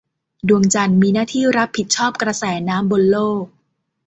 ดวงจันทร์มีหน้าที่รับผิดชอบกระแสน้ำบนโลก